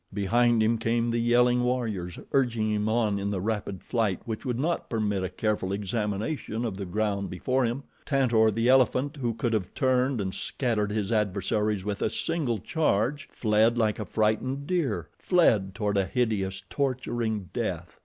Behind him came the yelling warriors, urging him on in the rapid flight which would not permit a careful examination of the ground before him. Tantor, the elephant, who could have turned and scattered his adversaries with a single charge, fled like a frightened deer fled toward a hideous, torturing death.